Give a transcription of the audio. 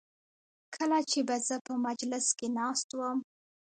کله چې به زه په مجلس کې ناست وم.